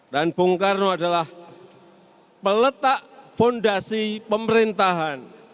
dan bung karno adalah peletak fondasi pemerintahan